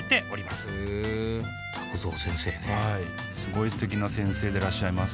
すごいすてきな先生でいらっしゃいます